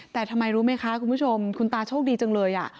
แต่ทำไมรู้ไหมคะคุณผู้ชมคุณตาโชคดีจังเลย